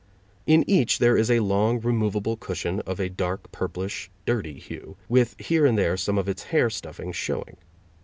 In each there is a long, removable cushion of a dark, purplish, dirty hue, with here and there some of its hair stuffing showing.